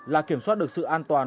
là kiểm soát được sự an toàn